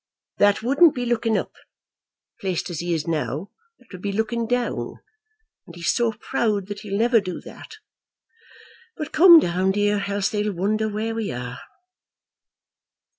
"That wouldn't be looking up. Placed as he is now, that would be looking down; and he is so proud that he'll never do that. But come down, dear, else they'll wonder where we are."